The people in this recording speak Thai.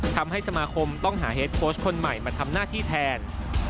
ทำให้สมาคมต้องหาเฮดโค้ชคนใหม่มาทำหน้าที่แทน